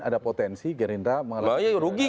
ada potensi gerindra mengalahkan nama lain